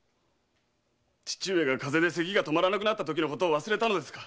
父上が風邪で咳が止まらなくなったときのことを忘れたのですか？